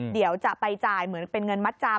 เดี๋ยวจะไปจ่ายเหมือนเป็นเงินมัดจำ